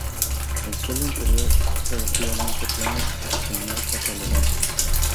El suelo interior es relativamente plano y sin marcas relevantes.